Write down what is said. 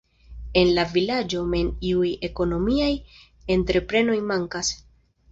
En la vilaĝo mem iuj ekonomiaj entreprenoj mankas.